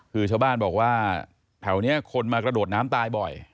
คือชาวบ้านบอกว่าแถวนี้คนมากระโดดน้ำตายบ่อย